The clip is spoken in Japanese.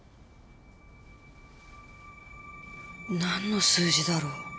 何の数字だろう。